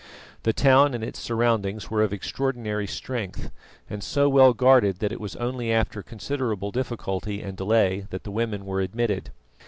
The town and its surroundings were of extraordinary strength, and so well guarded that it was only after considerable difficulty and delay that the women were admitted.